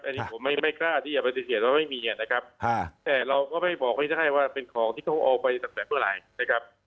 อันนี้ผมไม่กล้าที่จะปฏิเสธว่าไม่มีนะครับแต่เราก็ไม่บอกไม่ใช่ว่าเป็นของที่เขาเอาไปตั้งแต่เมื่อไหร่นะครับ